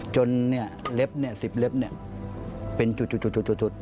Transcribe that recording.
จนเนี่ยเล็บเนี่ย๑๐เล็บเป็นจุด